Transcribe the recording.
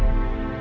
ya udah deh